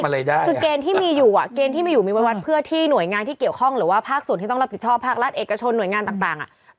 คือเกณฑ์ที่มีอยู่อ่ะเกณฑ์ที่มาอยู่มีไว้วัดเพื่อที่หน่วยงานที่เกี่ยวข้องหรือว่าภาคส่วนที่ต้องรับผิดชอบภาครัฐเอกชนหน่วยงานต่างต่างอ่ะ